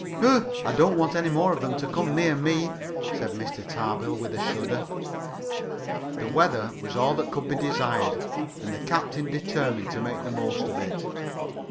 "Ugh! I don't want any more of them to come near me," said Mr. Tarbill, with a shudder. The weather was all that could be desired, and the captain determined to make the most of it.